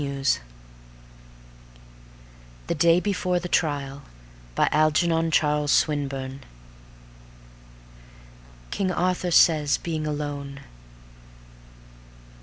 com THE DAY BEFORE THE TRIAL by ALGERNON CHARLES SWINBURNE King Arthur says being alone.